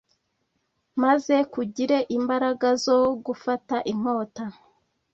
Maze kugire imbaraga zo gufata inkota